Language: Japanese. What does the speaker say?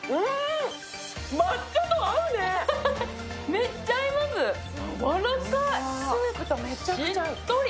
めっちゃ合います、やわらかい、しっとり。